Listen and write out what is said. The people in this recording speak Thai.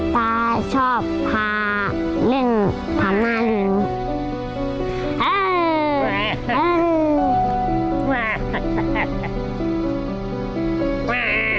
ตาชอบพาเล่นผ่านมาเลย